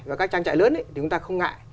và các trang trại lớn thì chúng ta không ngại